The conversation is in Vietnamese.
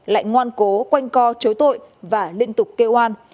lại ngoan cố quanh co chối tội và liên tục kêu an